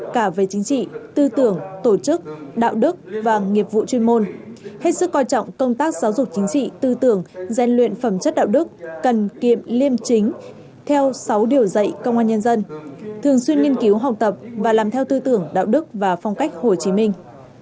cả về chính trị tư tưởng tổ chức đạo đức và nghiệp vụ chuyên môn hết sức coi trọng công tác giáo dục chính trị tư tưởng gian luyện phẩm chất đạo đức cần kiệm liêm chính theo sáu điều dạy công an nhân dân thường xuyên nghiên cứu học tập và làm theo tư tưởng đạo đức và phong cách hồ chí minh